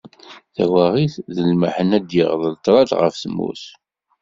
Tawaγit d lmeḥna d-yeγḍel ṭrad γef tmurt.